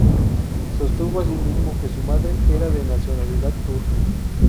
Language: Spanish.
Sostuvo asimismo que su madre era de nacionalidad turca.